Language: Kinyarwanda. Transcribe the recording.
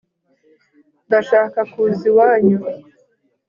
ndashaka kuza iwanyu